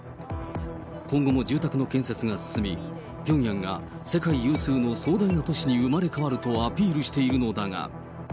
今後も住宅の建設が進み、ピョンヤンが世界有数の壮大な都市に生まれ変わるとアピールしているのだが。